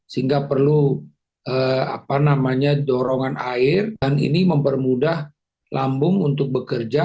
sehingga perlu dorongan air dan ini mempermudah lambung untuk bekerja